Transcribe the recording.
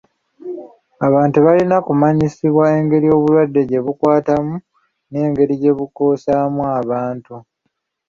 Abantu tebalina kumanyisibwa ku ngeri obulwadde gye bukwatamu n'engeri gye bukosaamu abantu.